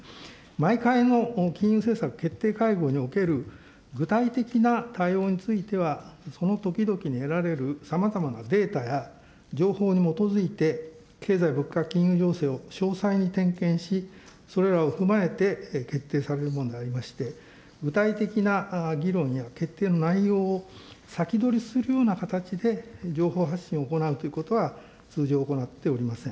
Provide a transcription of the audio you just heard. いずれにいたしましても、毎回の金融政策決定会合における具体的な対応については、その時々に得られるさまざまなデータや情報に基づいて、経済物価金融情勢を詳細に点検し、それらを踏まえて決定されるものでありまして、具体的な議論や決定の内容を先取りするような形で情報発信を行うということは、通常行っておりません。